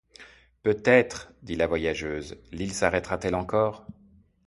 Peut-être, dit la voyageuse, l’île s’arrêtera-t-elle encore!